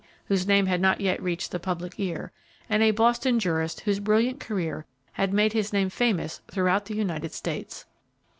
whose name had not yet reached the public ear, and a Boston jurist whose brilliant career had made his name famous throughout the United States.